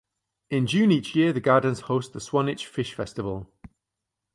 In June each year the gardens host the Swanage Fish Festival.